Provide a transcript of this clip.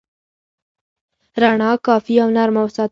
رڼا کافي او نرمه وساتئ.